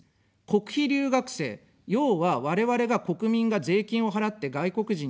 国費留学生、要は我々が、国民が税金を払って外国人に日本に来てもらう。